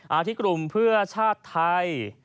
อาทิตย์กลุ่มเพื่อชาติไทย